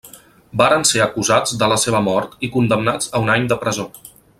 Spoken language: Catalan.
Varen ser acusats de la seva mort i condemnats a un any de presó.